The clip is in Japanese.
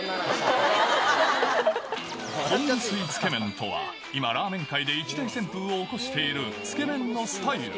昆布水つけ麺とは、今、ラーメン界で一大旋風を起こしている、つけ麺のスタイル。